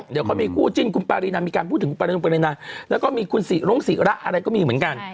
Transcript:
เดี๋ยวเขามีคู่จิ้นคุณปารีนามีการพูดถึงปรณงปรินาแล้วก็มีคุณศิร้งศิระอะไรก็มีเหมือนกัน